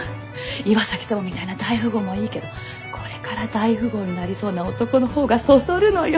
岩崎様みたいな大富豪もいいけどこれから大富豪になりそうな男の方がそそるのよ！